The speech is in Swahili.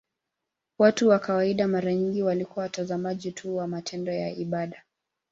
Watu wa kawaida mara nyingi walikuwa watazamaji tu wa matendo ya ibada.